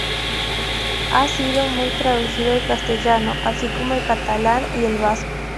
Ha sido muy traducido al castellano, así como al catalán y al vasco.